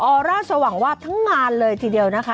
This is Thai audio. อร่าสว่างวาดทั้งงานเลยทีเดียวนะคะ